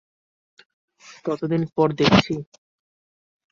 কতদিন পর দেখছি!